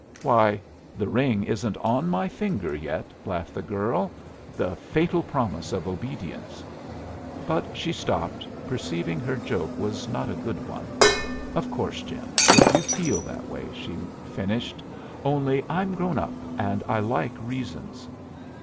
"Why, the ring isn't on my finger yet," laughed the girl, "the fatal promise of obedience " But she stopped, perceiving her joke was not a good one. "Of course, Jim, if you feel that way," she finished. "Only I'm grown up, and I like reasons."